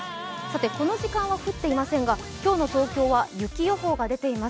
この時間は降っていませんが今日の東京は雪予報が出ています。